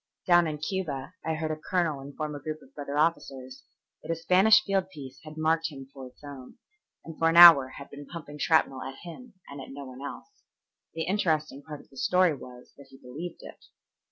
Down in Cuba I heard a colonel inform a group of brother officers that a Spanish field piece had marked him for its own, and for an hour had been pumping shrapnel at him and at no one else. The interesting part of the story was that he believed it.